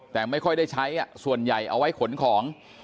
แต่ไม่ค่อยได้ใช้ส่วนใหญ่เอาไว้ขนของ